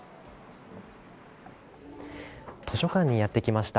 図書館にやって来ました。